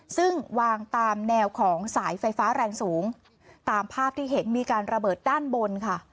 ซึ่งวางตามแนวของสายไฟฟ้าแรงสูงตามภาพที่เห็นมีการระเบิดด้านบนค่ะ